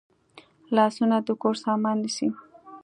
لاسونه د کور سامان نیسي